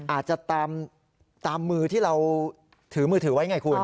อาจจะตามมือที่เราถือมือถือไว้ไงคุณ